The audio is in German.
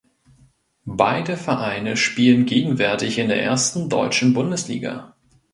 Beide Vereine spielen gegenwärtig in der ersten deutschen Bundesliga.